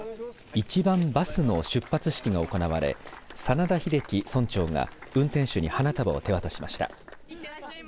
一番バスの出発式が行われ眞田秀樹村長が運転手に花束を手渡しました。